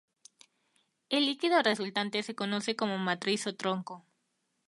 El líquido resultante se conoce como matriz o tronco.